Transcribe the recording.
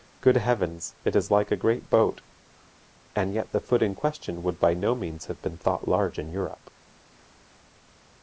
Good heavens, it is like a great boat!) and yet the foot in question would by no means have been thought large in Europe.